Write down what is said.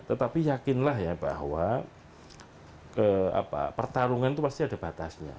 tetapi yakinlah ya bahwa pertarungan itu pasti ada batasnya